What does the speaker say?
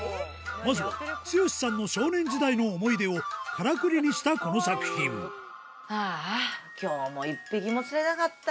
まずは津義さんの少年時代の思い出をからくりにしたこの作品ああ。